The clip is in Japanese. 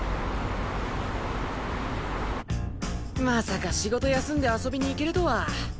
まさか仕事休んで遊びに行けるとは。